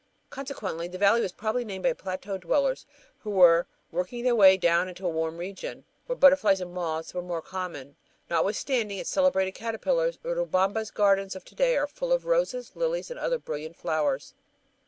Consequently, the valley was probably named by plateau dwellers who were working their way down into a warm region where butterflies and moths are more common. Notwithstanding its celebrated caterpillars, Urubamba's gardens of to day are full of roses, lilies, and other brilliant flowers.